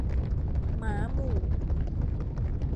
หมาหมู่